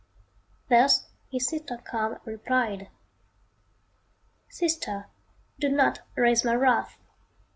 Thus his sister calm replied. "Sister, do not raise my wrath.